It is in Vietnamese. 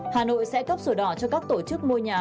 hà nội sẽ cấp sổ đỏ cho các tổ chức mua nhà